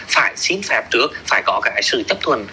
phải xin phép trước phải có sự chấp thuận